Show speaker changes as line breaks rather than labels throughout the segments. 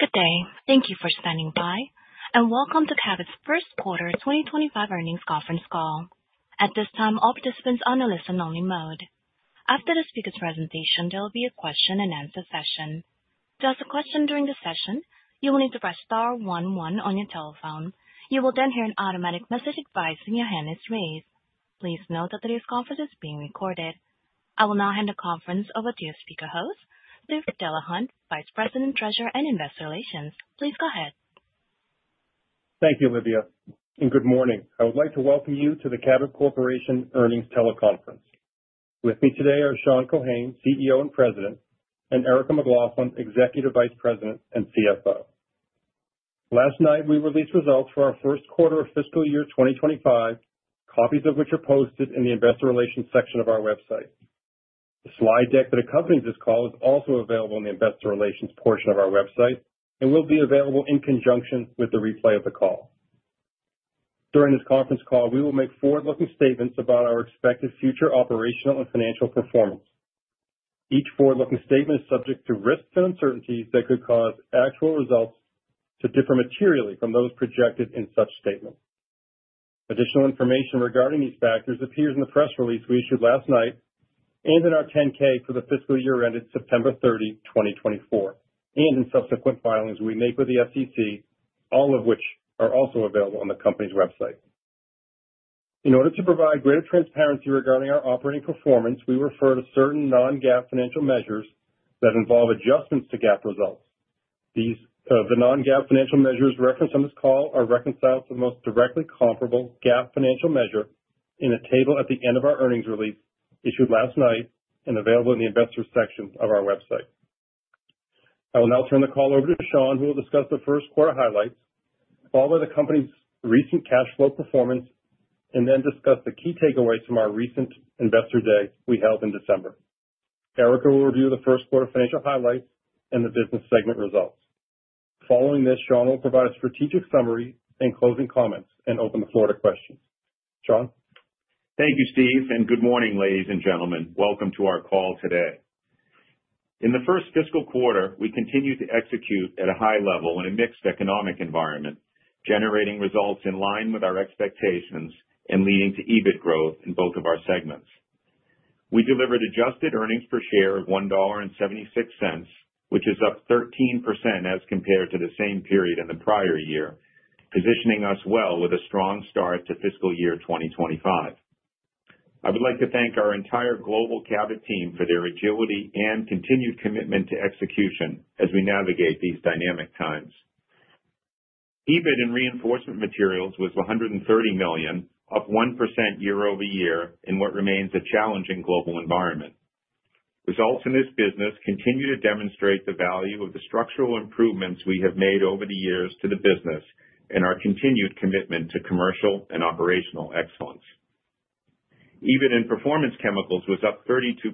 Good day. Thank you for standing by, and welcome to Cabot's first quarter 2025 earnings conference call. At this time, all participants are on a listen-only mode. After the speaker's presentation, there will be a question-and-answer session. To ask a question during the session, you will need to press star 11 on your telephone. You will then hear an automatic message advising your hand is raised. Please note that this conference is being recorded. I will now hand the conference over to your speaker host, Steve Delahunt, Vice President, Treasurer and Investor Relations. Please go ahead.
Thank you, Olivia, and good morning. I would like to welcome you to the Cabot Corporation earnings teleconference. With me today are Sean Keohane, CEO and President, and Erica McLaughlin, Executive Vice President and CFO. Last night, we released results for our first quarter of fiscal year 2025, copies of which are posted in the Investor Relations section of our website. The slide deck that accompanies this call is also available in the Investor Relations portion of our website and will be available in conjunction with the replay of the call. During this conference call, we will make forward-looking statements about our expected future operational and financial performance. Each forward-looking statement is subject to risks and uncertainties that could cause actual results to differ materially from those projected in such statements. Additional information regarding these factors appears in the press release we issued last night and in our 10-K for the fiscal year ended September 30, 2024, and in subsequent filings we make with the SEC, all of which are also available on the company's website. In order to provide greater transparency regarding our operating performance, we refer to certain non-GAAP financial measures that involve adjustments to GAAP results. These non-GAAP financial measures referenced on this call are reconciled to the most directly comparable GAAP financial measure in a table at the end of our earnings release issued last night and available in the Investor section of our website. I will now turn the call over to Sean, who will discuss the first quarter highlights, followed by the company's recent cash flow performance, and then discuss the key takeaways from our recent Investor Day we held in December. Erica will review the first quarter financial highlights and the business segment results. Following this, Sean will provide a strategic summary and closing comments and open the floor to questions. Sean.
Thank you, Steve, and good morning, ladies and gentlemen. Welcome to our call today. In the first fiscal quarter, we continued to execute at a high level in a mixed economic environment, generating results in line with our expectations and leading to EBIT growth in both of our segments. We delivered adjusted earnings per share of $1.76, which is up 13% as compared to the same period in the prior year, positioning us well with a strong start to fiscal year 2025. I would like to thank our entire global Cabot team for their agility and continued commitment to execution as we navigate these dynamic times. EBIT in Reinforcement Materials was $130 million, up 1% year over year in what remains a challenging global environment. Results in this business continue to demonstrate the value of the structural improvements we have made over the years to the business and our continued commitment to commercial and operational excellence. EBIT in Performance Chemicals was up 32%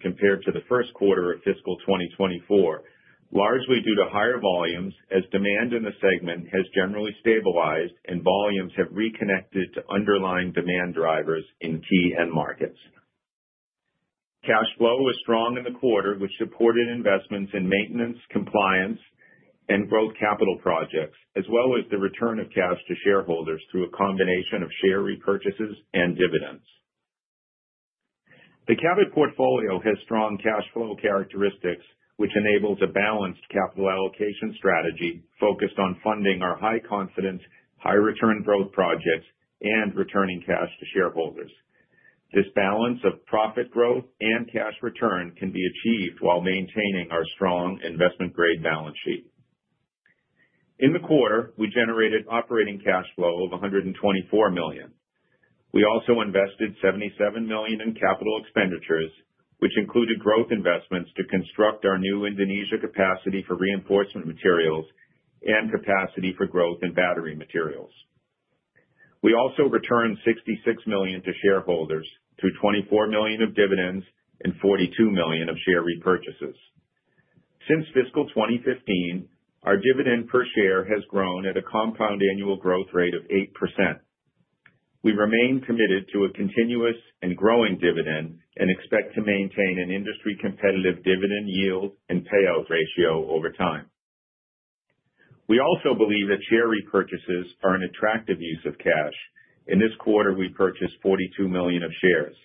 compared to the first quarter of fiscal 2024, largely due to higher volumes as demand in the segment has generally stabilized and volumes have reconnected to underlying demand drivers in key end markets. Cash flow was strong in the quarter, which supported investments in maintenance, compliance, and growth capital projects, as well as the return of cash to shareholders through a combination of share repurchases and dividends. The Cabot portfolio has strong cash flow characteristics, which enables a balanced capital allocation strategy focused on funding our high-confidence, high-return growth projects and returning cash to shareholders. This balance of profit growth and cash return can be achieved while maintaining our strong investment-grade balance sheet. In the quarter, we generated operating cash flow of $124 million. We also invested $77 million in capital expenditures, which included growth investments to construct our new Indonesia capacity for Reinforcement Materials and capacity for growth in battery materials. We also returned $66 million to shareholders through $24 million of dividends and $42 million of share repurchases. Since fiscal 2015, our dividend per share has grown at a compound annual growth rate of 8%. We remain committed to a continuous and growing dividend and expect to maintain an industry-competitive dividend yield and payout ratio over time. We also believe that share repurchases are an attractive use of cash. In this quarter, we purchased $42 million of shares.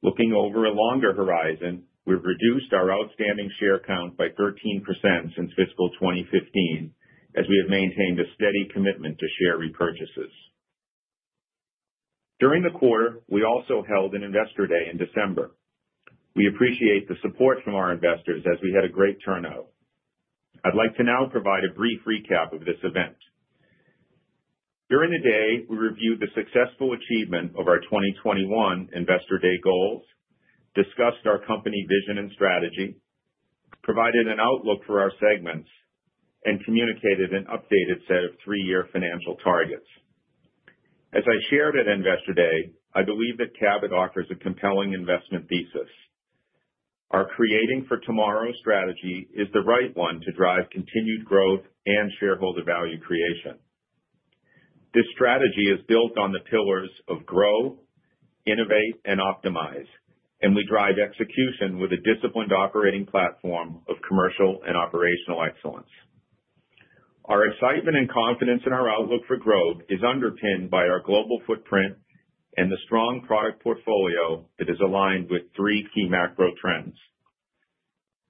Looking over a longer horizon, we've reduced our outstanding share count by 13% since fiscal 2015 as we have maintained a steady commitment to share repurchases. During the quarter, we also held an Investor Day in December. We appreciate the support from our investors as we had a great turnout. I'd like to now provide a brief recap of this event. During the day, we reviewed the successful achievement of our 2021 Investor Day goals, discussed our company vision and strategy, provided an outlook for our segments, and communicated an updated set of three-year financial targets. As I shared at Investor Day, I believe that Cabot offers a compelling investment thesis. Our Creating for Tomorrow strategy is the right one to drive continued growth and shareholder value creation. This strategy is built on the pillars of grow, innovate, and optimize, and we drive execution with a disciplined operating platform of commercial and operational excellence. Our excitement and confidence in our outlook for growth is underpinned by our global footprint and the strong product portfolio that is aligned with three key macro trends.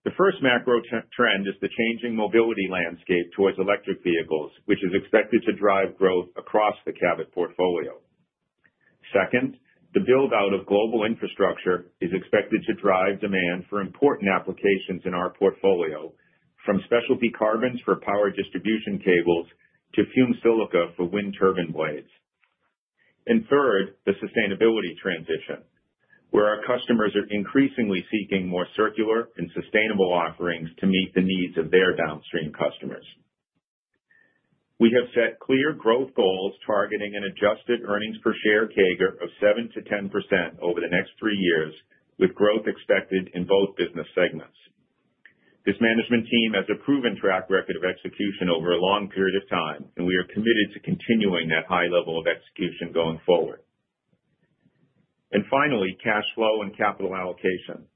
The first macro trend is the changing mobility landscape towards electric vehicles, which is expected to drive growth across the Cabot portfolio. Second, the build-out of global infrastructure is expected to drive demand for important applications in our portfolio, from specialty carbons for power distribution cables to fumed silica for wind turbine blades, and third, the sustainability transition, where our customers are increasingly seeking more circular and sustainable offerings to meet the needs of their downstream customers. We have set clear growth goals targeting an adjusted earnings per share CAGR of 7%-10% over the next three years, with growth expected in both business segments. This management team has a proven track record of execution over a long period of time, and we are committed to continuing that high level of execution going forward, and finally, cash flow and capital allocation.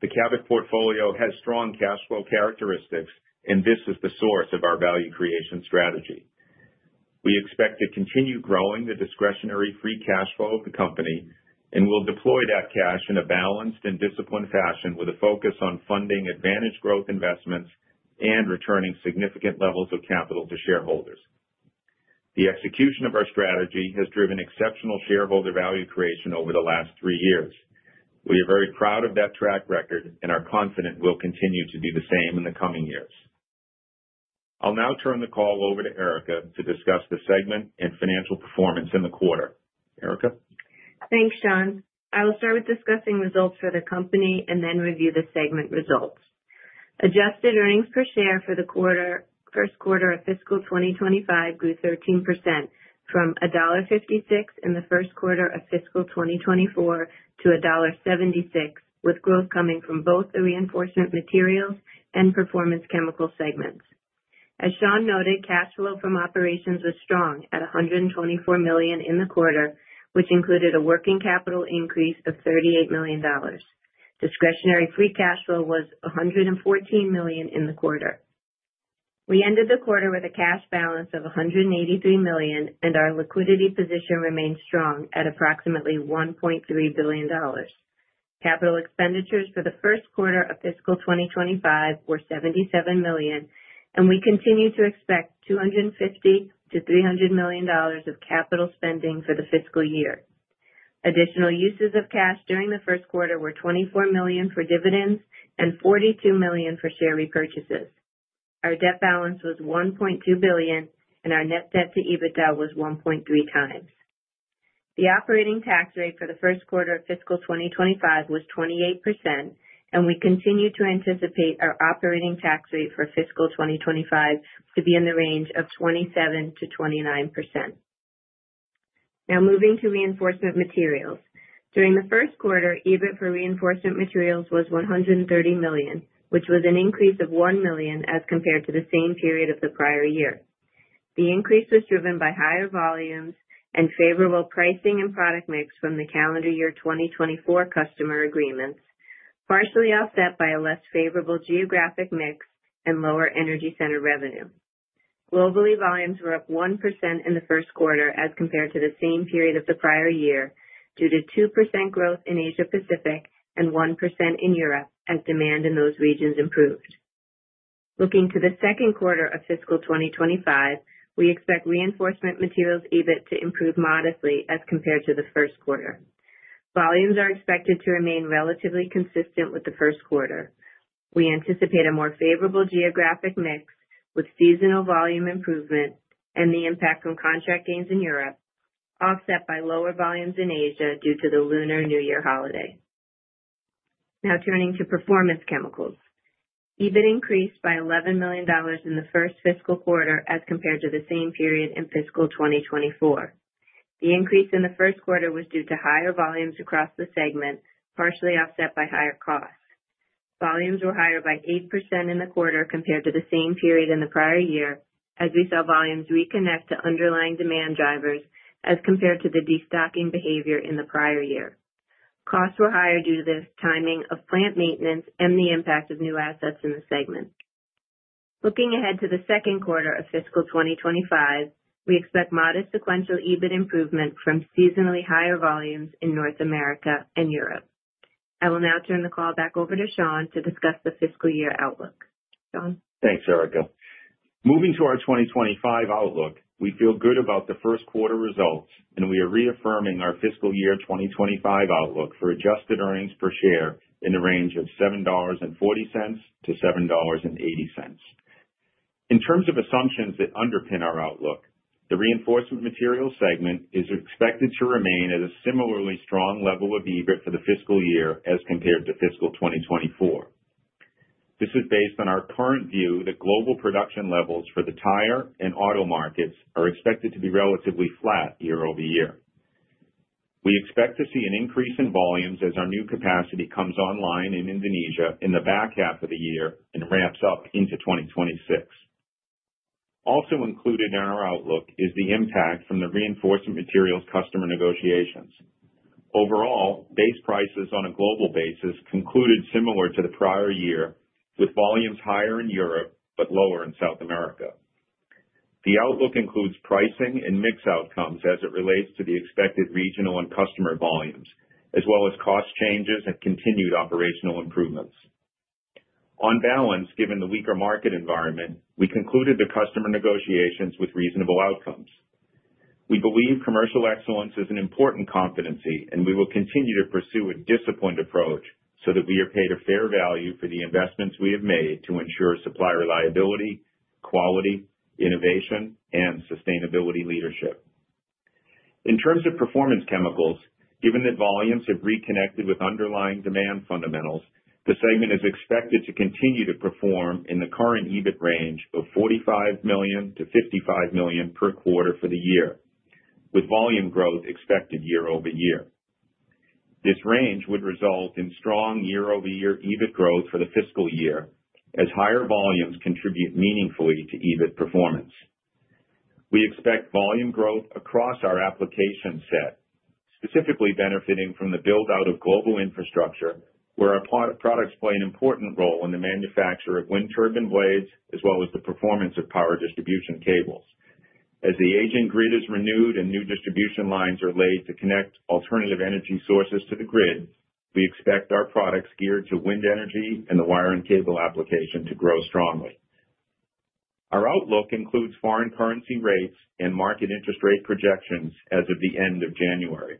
The Cabot portfolio has strong cash flow characteristics, and this is the source of our value creation strategy. We expect to continue growing the discretionary free cash flow of the company and will deploy that cash in a balanced and disciplined fashion with a focus on funding advantage growth investments and returning significant levels of capital to shareholders. The execution of our strategy has driven exceptional shareholder value creation over the last three years. We are very proud of that track record and are confident we'll continue to do the same in the coming years. I'll now turn the call over to Erica to discuss the segment and financial performance in the quarter. Erica?
Thanks, Sean. I will start with discussing results for the company and then review the segment results. Adjusted earnings per share for the first quarter of fiscal 2025 grew 13% from $1.56 in the first quarter of fiscal 2024 to $1.76, with growth coming from both the Reinforcement Materials and Performance Chemicals segments. As Sean noted, cash flow from operations was strong at $124 million in the quarter, which included a working capital increase of $38 million. Discretionary free cash flow was $114 million in the quarter. We ended the quarter with a cash balance of $183 million, and our liquidity position remained strong at approximately $1.3 billion. Capital expenditures for the first quarter of fiscal 2025 were $77 million, and we continue to expect $250 million-$300 million of capital spending for the fiscal year. Additional uses of cash during the first quarter were $24 million for dividends and $42 million for share repurchases. Our debt balance was $1.2 billion, and our net debt to EBITDA was 1.3 times. The operating tax rate for the first quarter of fiscal 2025 was 28%, and we continue to anticipate our operating tax rate for fiscal 2025 to be in the range of 27%-29%. Now moving to Reinforcement Materials. During the first quarter, EBIT for Reinforcement Materials was $130 million, which was an increase of $1 million as compared to the same period of the prior year. The increase was driven by higher volumes and favorable pricing and product mix from the calendar year 2024 customer agreements, partially offset by a less favorable geographic mix and lower energy center revenue. Globally, volumes were up 1% in the first quarter as compared to the same period of the prior year due to 2% growth in Asia-Pacific and 1% in Europe as demand in those regions improved. Looking to the second quarter of fiscal 2025, we expect Reinforcement Materials EBIT to improve modestly as compared to the first quarter. Volumes are expected to remain relatively consistent with the first quarter. We anticipate a more favorable geographic mix with seasonal volume improvement and the impact from contract gains in Europe, offset by lower volumes in Asia due to the Lunar New Year holiday. Now turning to Performance Chemicals. EBIT increased by $11 million in the first fiscal quarter as compared to the same period in fiscal 2024. The increase in the first quarter was due to higher volumes across the segment, partially offset by higher costs. Volumes were higher by 8% in the quarter compared to the same period in the prior year as we saw volumes reconnect to underlying demand drivers as compared to the destocking behavior in the prior year. Costs were higher due to the timing of plant maintenance and the impact of new assets in the segment. Looking ahead to the second quarter of fiscal 2025, we expect modest sequential EBIT improvement from seasonally higher volumes in North America and Europe. I will now turn the call back over to Sean to discuss the fiscal year outlook. Sean?
Thanks, Erica. Moving to our 2025 outlook, we feel good about the first quarter results, and we are reaffirming our fiscal year 2025 outlook for adjusted earnings per share in the range of $7.40-$7.80. In terms of assumptions that underpin our outlook, the Reinforcement Materials segment is expected to remain at a similarly strong level of EBIT for the fiscal year as compared to fiscal 2024. This is based on our current view that global production levels for the tire and auto markets are expected to be relatively flat year over year. We expect to see an increase in volumes as our new capacity comes online in Indonesia in the back half of the year and ramps up into 2026. Also included in our outlook is the impact from the Reinforcement Materials customer negotiations. Overall, base prices on a global basis concluded similar to the prior year, with volumes higher in Europe but lower in South America. The outlook includes pricing and mix outcomes as it relates to the expected regional and customer volumes, as well as cost changes and continued operational improvements. On balance, given the weaker market environment, we concluded the customer negotiations with reasonable outcomes. We believe commercial excellence is an important competency, and we will continue to pursue a disciplined approach so that we are paid a fair value for the investments we have made to ensure supply reliability, quality, innovation, and sustainability leadership. In terms of Performance Chemicals, given that volumes have reconnected with underlying demand fundamentals, the segment is expected to continue to perform in the current EBIT range of $45 million-$55 million per quarter for the year, with volume growth expected year over year. This range would result in strong year-over-year EBIT growth for the fiscal year as higher volumes contribute meaningfully to EBIT performance. We expect volume growth across our application set, specifically benefiting from the build-out of global infrastructure, where our products play an important role in the manufacture of wind turbine blades as well as the performance of power distribution cables. As the aging grid is renewed and new distribution lines are laid to connect alternative energy sources to the grid, we expect our products geared to wind energy and the wire and cable application to grow strongly. Our outlook includes foreign currency rates and market interest rate projections as of the end of January.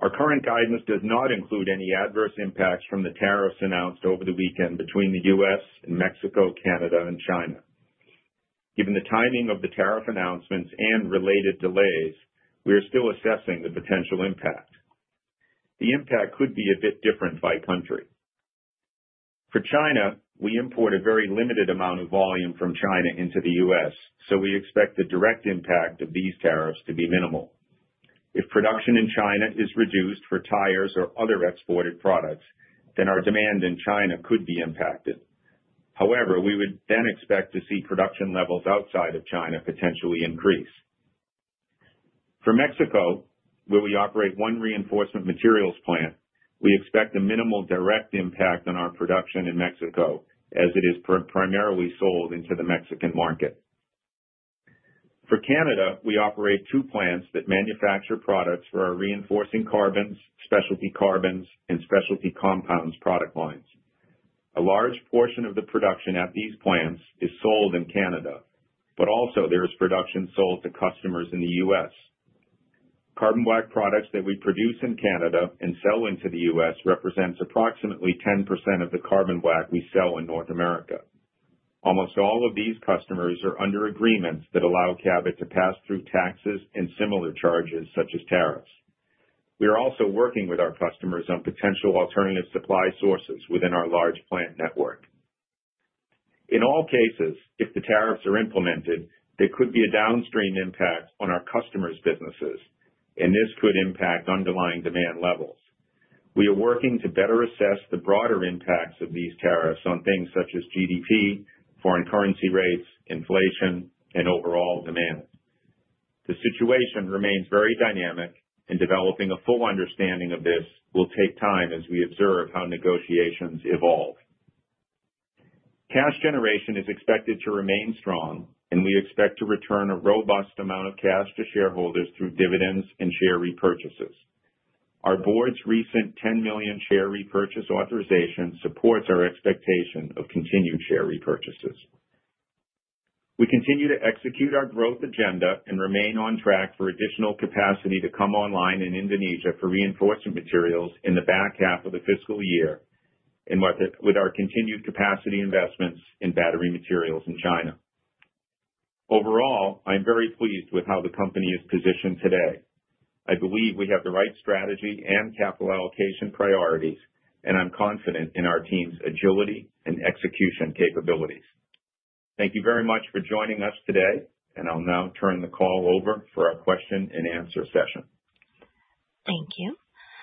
Our current guidance does not include any adverse impacts from the tariffs announced over the weekend between the U.S. and Mexico, Canada, and China. Given the timing of the tariff announcements and related delays, we are still assessing the potential impact. The impact could be a bit different by country. For China, we import a very limited amount of volume from China into the U.S., so we expect the direct impact of these tariffs to be minimal. If production in China is reduced for tires or other exported products, then our demand in China could be impacted. However, we would then expect to see production levels outside of China potentially increase. For Mexico, where we operate one Reinforcement Materials plant, we expect a minimal direct impact on our production in Mexico as it is primarily sold into the Mexican market. For Canada, we operate two plants that manufacture products for our reinforcing carbons, specialty carbons, and specialty compounds product lines. A large portion of the production at these plants is sold in Canada, but also there is production sold to customers in the U.S. Carbon black products that we produce in Canada and sell into the U.S. represent approximately 10% of the carbon black we sell in North America. Almost all of these customers are under agreements that allow Cabot to pass through taxes and similar charges such as tariffs. We are also working with our customers on potential alternative supply sources within our large plant network. In all cases, if the tariffs are implemented, there could be a downstream impact on our customers' businesses, and this could impact underlying demand levels. We are working to better assess the broader impacts of these tariffs on things such as GDP, foreign currency rates, inflation, and overall demand. The situation remains very dynamic, and developing a full understanding of this will take time as we observe how negotiations evolve. Cash generation is expected to remain strong, and we expect to return a robust amount of cash to shareholders through dividends and share repurchases. Our board's recent $10 million share repurchase authorization supports our expectation of continued share repurchases. We continue to execute our growth agenda and remain on track for additional capacity to come online in Indonesia for Reinforcement Materials in the back half of the fiscal year with our continued capacity investments in battery materials in China. Overall, I'm very pleased with how the company is positioned today. I believe we have the right strategy and capital allocation priorities, and I'm confident in our team's agility and execution capabilities. Thank you very much for joining us today, and I'll now turn the call over for our question-and-answer session.
Thank you.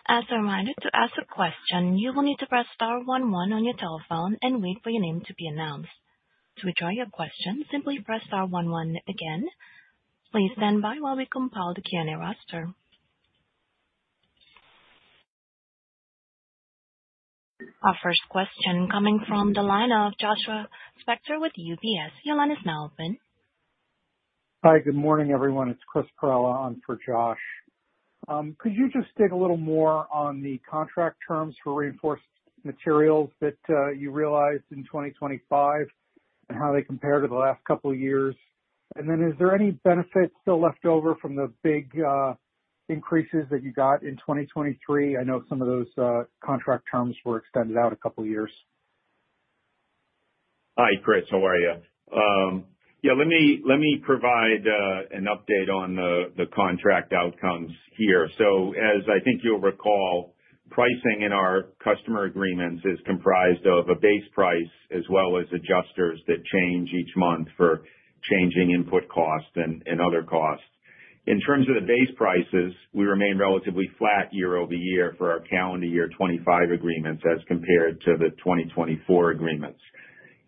As a reminder, to ask a question, you will need to press star 11 on your telephone and wait for your name to be announced. To withdraw your question, simply press star 11 again. Please stand by while we compile the Q&A roster. Our first question coming from the line of Joshua Spector with UBS. Your line is now open.
Hi, good morning, everyone. It's Chris Perrella on for Josh. Could you just dig a little more on the contract terms for Reinforcement Materials that you realized in 2025 and how they compare to the last couple of years? And then is there any benefit still left over from the big increases that you got in 2023? I know some of those contract terms were extended out a couple of years.
Hi, Chris. How are you? Yeah, let me provide an update on the contract outcomes here, so as I think you'll recall, pricing in our customer agreements is comprised of a base price as well as adjusters that change each month for changing input costs and other costs. In terms of the base prices, we remain relatively flat year over year for our calendar year 2025 agreements as compared to the 2024 agreements,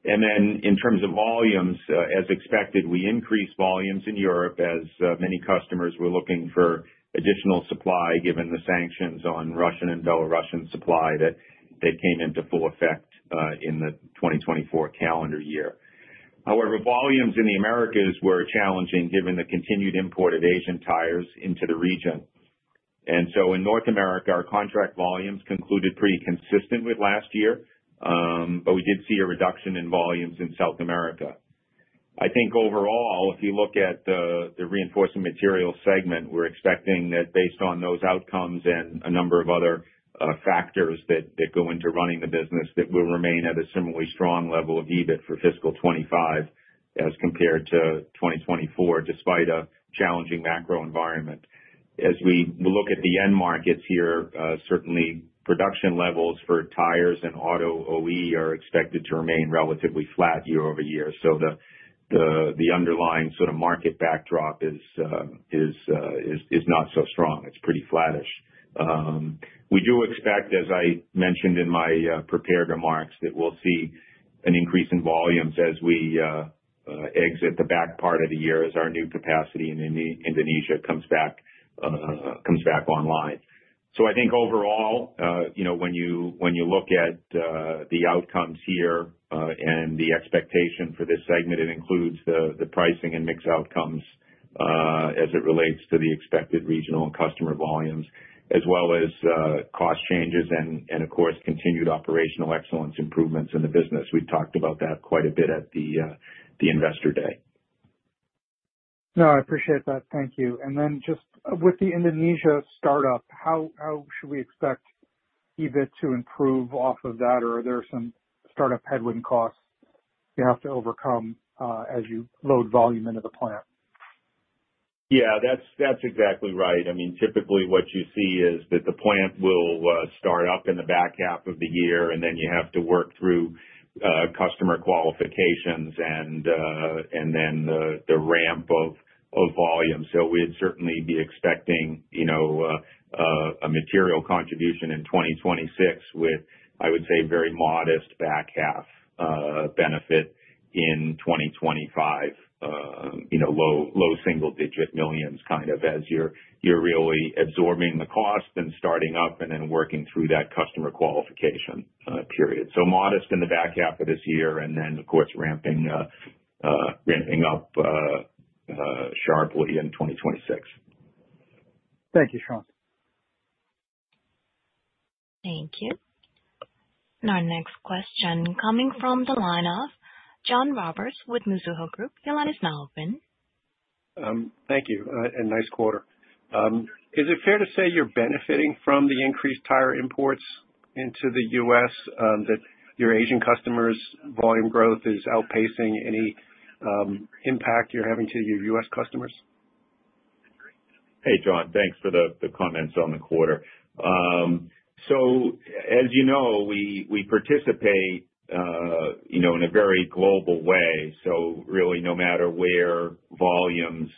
and then in terms of volumes, as expected, we increased volumes in Europe as many customers were looking for additional supply given the sanctions on Russian and Belarusian supply that came into full effect in the 2024 calendar year. However, volumes in the Americas were challenging given the continued import of Asian tires into the region. And so in North America, our contract volumes concluded pretty consistent with last year, but we did see a reduction in volumes in South America. I think overall, if you look at the Reinforcement Materials segment, we're expecting that based on those outcomes and a number of other factors that go into running the business that we'll remain at a similarly strong level of EBIT for fiscal 2025 as compared to 2024 despite a challenging macro environment. As we look at the end markets here, certainly production levels for tires and auto OE are expected to remain relatively flat year over year. So the underlying sort of market backdrop is not so strong. It's pretty flattish. We do expect, as I mentioned in my prepared remarks, that we'll see an increase in volumes as we exit the back part of the year as our new capacity in Indonesia comes back online. So I think overall, when you look at the outcomes here and the expectation for this segment, it includes the pricing and mix outcomes as it relates to the expected regional and customer volumes, as well as cost changes and, of course, continued operational excellence improvements in the business. We've talked about that quite a bit at the Investor Day.
No, I appreciate that. Thank you. And then just with the Indonesia startup, how should we expect EBIT to improve off of that, or are there some startup headwind costs you have to overcome as you load volume into the plant?
Yeah, that's exactly right. I mean, typically what you see is that the plant will start up in the back half of the year, and then you have to work through customer qualifications and then the ramp of volume. So we'd certainly be expecting a material contribution in 2026 with, I would say, very modest back half benefit in 2025, low single-digit millions kind of as you're really absorbing the cost and starting up and then working through that customer qualification period. So modest in the back half of this year and then, of course, ramping up sharply in 2026.
Thank you, Sean.
Thank you. Our next question coming from the line of John Roberts with Mizuho Group. Your line is now open.
Thank you. A nice quarter. Is it fair to say you're benefiting from the increased tire imports into the U.S., that your Asian customers' volume growth is outpacing any impact you're having to your U.S. customers?
Hey, John, thanks for the comments on the quarter. So as you know, we participate in a very global way. So really, no matter where volumes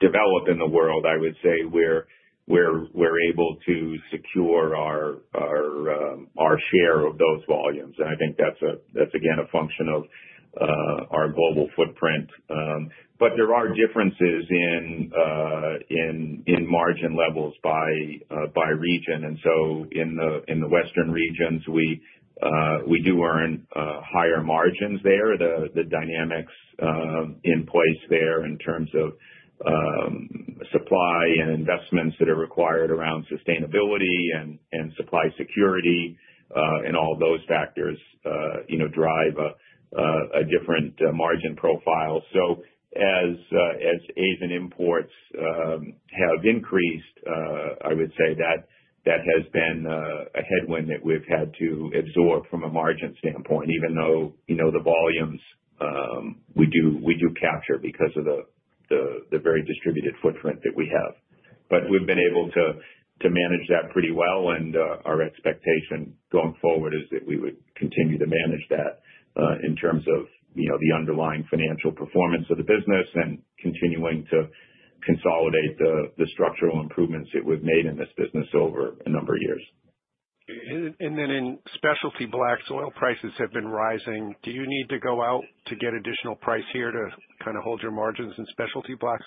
develop in the world, I would say we're able to secure our share of those volumes. And I think that's, again, a function of our global footprint. But there are differences in margin levels by region. And so in the Western regions, we do earn higher margins there. The dynamics in place there in terms of supply and investments that are required around sustainability and supply security and all those factors drive a different margin profile. So as Asian imports have increased, I would say that has been a headwind that we've had to absorb from a margin standpoint, even though the volumes we do capture because of the very distributed footprint that we have. We've been able to manage that pretty well, and our expectation going forward is that we would continue to manage that in terms of the underlying financial performance of the business and continuing to consolidate the structural improvements that we've made in this business over a number of years.
Then in Specialty Blacks, oil prices have been rising. Do you need to go out to get additional price here to kind of hold your margins in Specialty Blacks?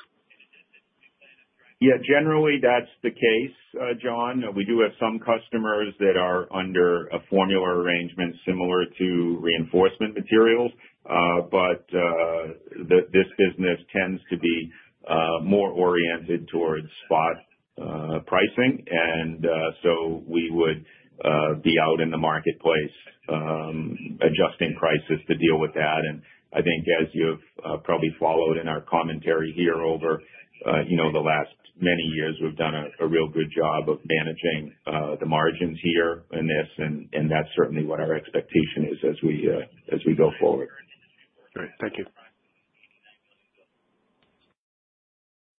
Yeah, generally that's the case, John. We do have some customers that are under a formula arrangement similar to Reinforcement Materials, but this business tends to be more oriented towards spot pricing. And so we would be out in the marketplace adjusting prices to deal with that. And I think as you've probably followed in our commentary here over the last many years, we've done a real good job of managing the margins here in this, and that's certainly what our expectation is as we go forward.
Great. Thank you.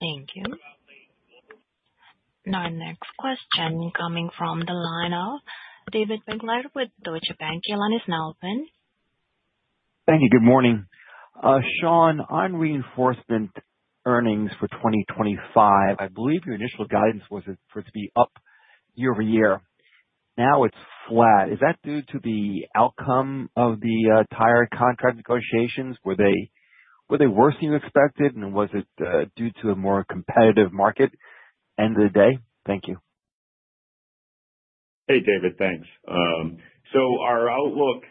Thank you. Our next question coming from the line of David Begleiter with Deutsche Bank. Your line is now open.
Thank you. Good morning. Sean, on Reinforcement earnings for 2025, I believe your initial guidance was for it to be up year over year. Now it's flat. Is that due to the outcome of the tire contract negotiations? Were they worse than you expected, and was it due to a more competitive market end of the day? Thank you.
Hey, David, thanks. So our outlook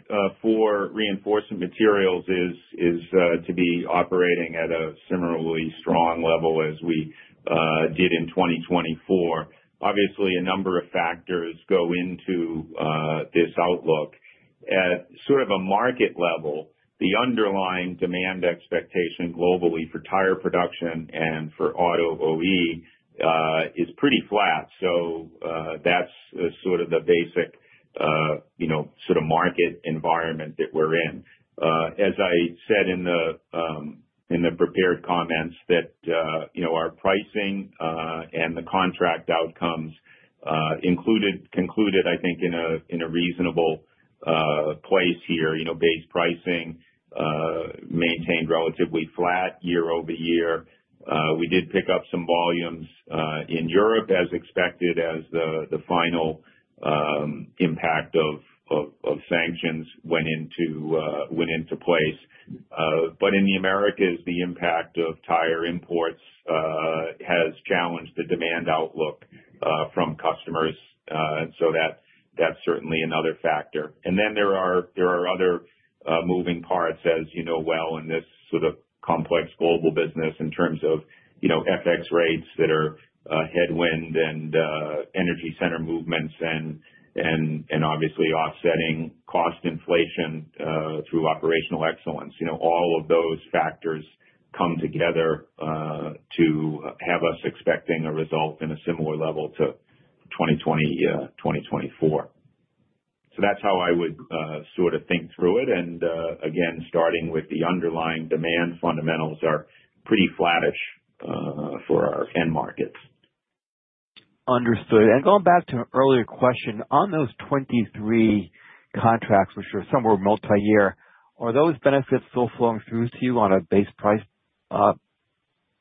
for Reinforcement Materials is to be operating at a similarly strong level as we did in 2024. Obviously, a number of factors go into this outlook. At sort of a market level, the underlying demand expectation globally for tire production and for auto OE is pretty flat. So that's sort of the basic sort of market environment that we're in. As I said in the prepared comments, that our pricing and the contract outcomes concluded, I think, in a reasonable place here. Base pricing maintained relatively flat year over year. We did pick up some volumes in Europe as expected as the final impact of sanctions went into place. But in the Americas, the impact of tire imports has challenged the demand outlook from customers. So that's certainly another factor. There are other moving parts, as you know well, in this sort of complex global business in terms of FX rates that are headwind and energy center movements and obviously offsetting cost inflation through operational excellence. All of those factors come together to have us expecting a result in a similar level to 2020-2024. That's how I would sort of think through it. Again, starting with the underlying demand fundamentals are pretty flattish for our end markets.
Understood. And going back to an earlier question, on those 23 contracts, which are somewhere multi-year, are those benefits still flowing through to you on a base price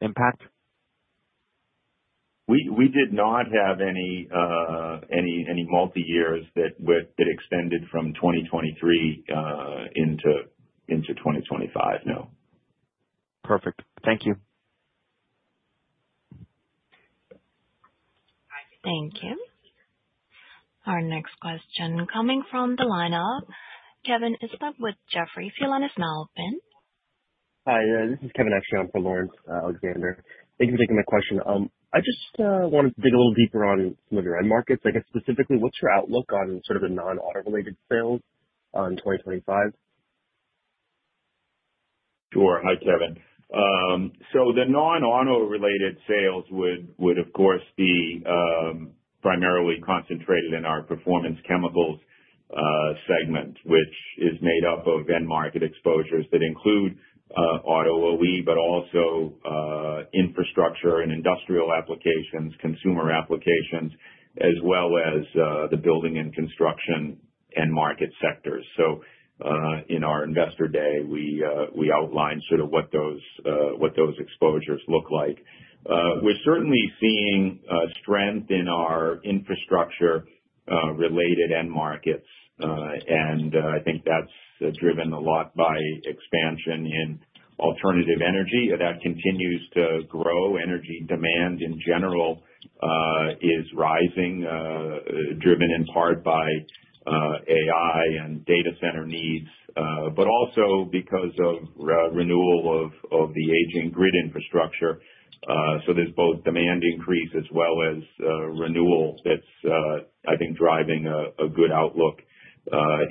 impact?
We did not have any multi-year that extended from 2023 into 2025, no.
Perfect. Thank you.
Thank you. Our next question coming from the line of Kevin Estok with Jefferies is now open.
Hi, this is Kevin Estok for Laurence Alexander. Thank you for taking my question. I just wanted to dig a little deeper on some of your end markets. I guess specifically, what's your outlook on sort of the non-auto related sales in 2025?
Sure. Hi, Kevin. So the non-auto related sales would, of course, be primarily concentrated in our Performance Chemicals segment, which is made up of end market exposures that include auto OE, but also infrastructure and industrial applications, consumer applications, as well as the building and construction end market sectors. So in our Investor Day, we outlined sort of what those exposures look like. We're certainly seeing strength in our infrastructure related end markets, and I think that's driven a lot by expansion in alternative energy. That continues to grow. Energy demand in general is rising, driven in part by AI and data center needs, but also because of renewal of the aging grid infrastructure. So there's both demand increase as well as renewal that's, I think, driving a good outlook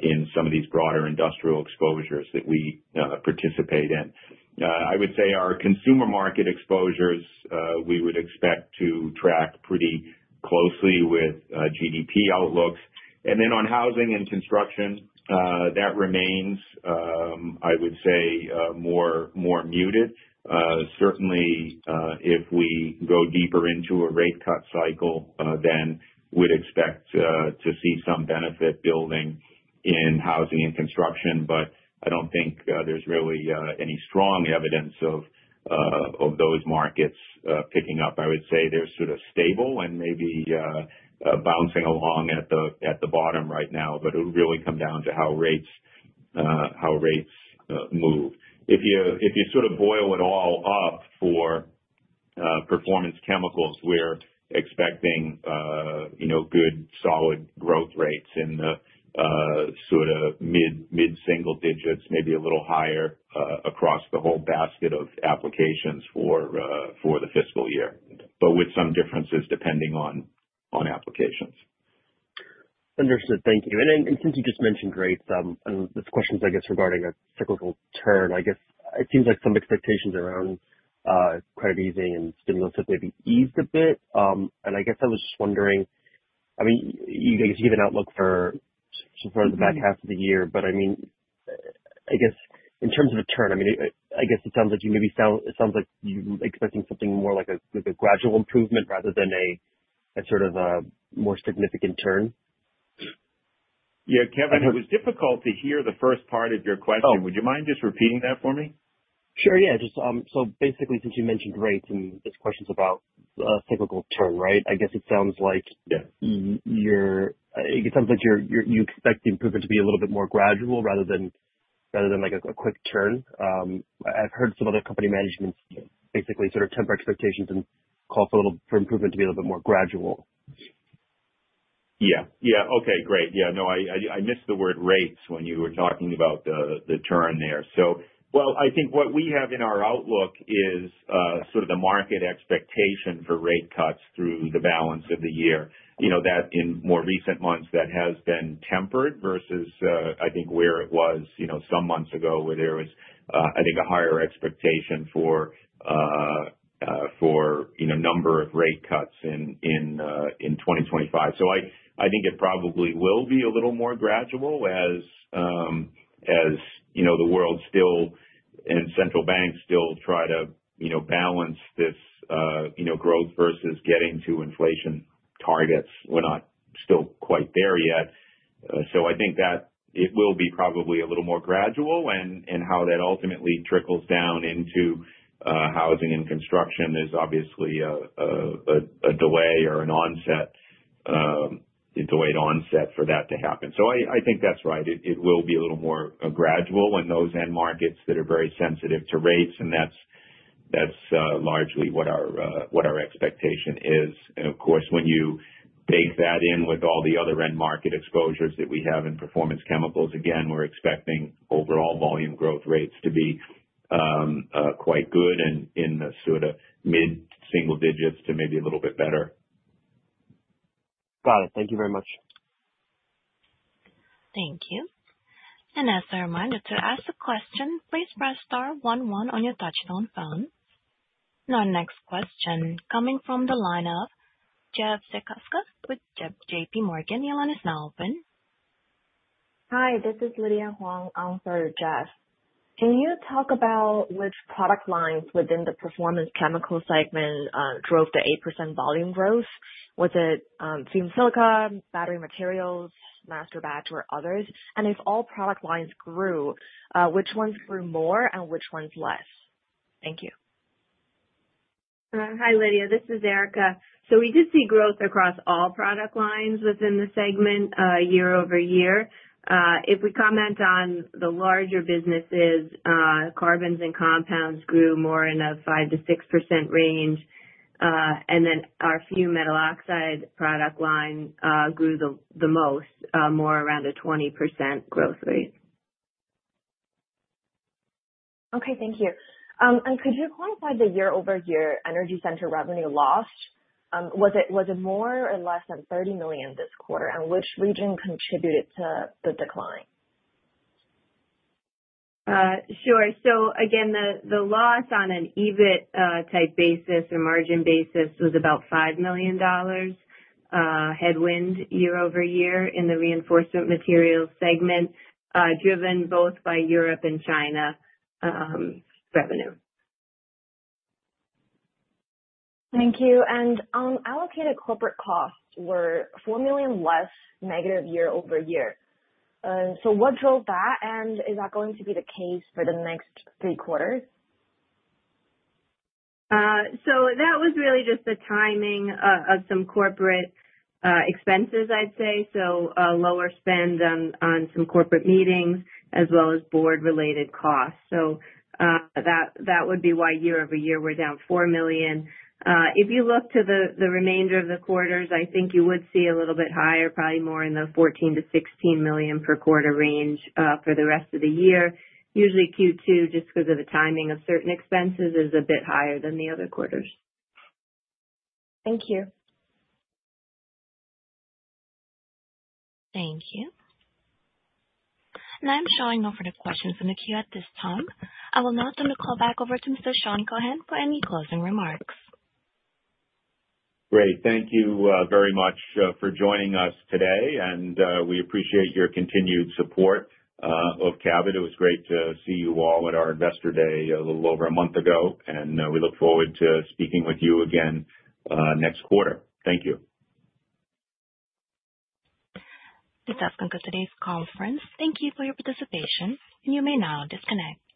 in some of these broader industrial exposures that we participate in. I would say our consumer market exposures, we would expect to track pretty closely with GDP outlooks. And then on housing and construction, that remains, I would say, more muted. Certainly, if we go deeper into a rate cut cycle, then we'd expect to see some benefit building in housing and construction. But I don't think there's really any strong evidence of those markets picking up. I would say they're sort of stable and maybe bouncing along at the bottom right now, but it would really come down to how rates move. If you sort of boil it all up for Performance Chemicals, we're expecting good solid growth rates in the sort of mid-single digits, maybe a little higher across the whole basket of applications for the fiscal year, but with some differences depending on applications.
Understood. Thank you. And since you just mentioned rates, and the questions, I guess, regarding a cyclical turn, I guess it seems like some expectations around credit easing and stimulus have maybe eased a bit. And I guess I was just wondering, I mean, you gave an outlook for sort of the back half of the year, but I mean, I guess in terms of a turn, I mean, I guess it sounds like you maybe sound it sounds like you're expecting something more like a gradual improvement rather than a sort of a more significant turn.
Yeah, Kevin, it was difficult to hear the first part of your question. Would you mind just repeating that for me?
Sure. Yeah. So basically, since you mentioned rates and this question's about a cyclical turn, right? I guess it sounds like you expect the improvement to be a little bit more gradual rather than a quick turn. I've heard some other company managements basically sort of temper expectations and call for improvement to be a little bit more gradual.
Yeah. Yeah. Okay. Great. Yeah. No, I missed the word rates when you were talking about the turn there. So, well, I think what we have in our outlook is sort of the market expectation for rate cuts through the balance of the year. That, in more recent months, that has been tempered versus, I think, where it was some months ago where there was, I think, a higher expectation for a number of rate cuts in 2025. So I think it probably will be a little more gradual as the world still and central banks still try to balance this growth versus getting to inflation targets. We're not still quite there yet. So I think that it will be probably a little more gradual and how that ultimately trickles down into housing and construction. There's obviously a delay or an onset, a delayed onset for that to happen. So I think that's right. It will be a little more gradual in those end markets that are very sensitive to rates, and that's largely what our expectation is. And of course, when you bake that in with all the other end market exposures that we have in Performance Chemicals, again, we're expecting overall volume growth rates to be quite good and in the sort of mid-single digits to maybe a little bit better.
Got it. Thank you very much.
Thank you. And as a reminder to ask the question, please press star 11 on your touch phone. Our next question coming from the line of Jeffrey Zekauskas with JPMorgan. The line is now open.
Hi, this is Lydia Huang for Jeff. Can you talk about which product lines within the Performance Chemicals segment drove the 8% volume growth? Was it fumed silica, battery materials, masterbatch, or others? And if all product lines grew, which ones grew more and which ones less? Thank you.
Hi, Lydia. This is Erica. So we did see growth across all product lines within the segment year over year. If we comment on the larger businesses, carbons and compounds grew more in a 5%-6% range, and then our fumed metal oxide product lines grew the most, more around a 20% growth rate.
Okay. Thank you. And could you quantify the year-over-year energy center revenue lost? Was it more or less than $30 million this quarter? And which region contributed to the decline?
Sure. So again, the loss on an EBIT-type basis or margin basis was about $5 million headwind year over year in the Reinforcement Materials segment, driven both by Europe and China revenue.
Thank you. And allocated corporate costs were $4 million less negative year over year. So what drove that, and is that going to be the case for the next three quarters?
That was really just the timing of some corporate expenses, I'd say. So lower spend on some corporate meetings as well as board-related costs. So that would be why year over year we're down $4 million. If you look to the remainder of the quarters, I think you would see a little bit higher, probably more in the $14 million-$16 million per quarter range for the rest of the year. Usually, Q2, just because of the timing of certain expenses, is a bit higher than the other quarters.
Thank you.
Thank you. I'm showing no questions in the queue at this time. I will now turn the call back over to Mr. Sean Keohane for any closing remarks.
Great. Thank you very much for joining us today, and we appreciate your continued support of Cabot. It was great to see you all at our Investor Day a little over a month ago, and we look forward to speaking with you again next quarter. Thank you.
This has concluded today's conference. Thank you for your participation, and you may now disconnect.